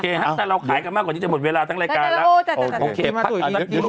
ถ้าเราขายกันมากกว่านี้จะหมดเวลาทั้งรายการแล้ว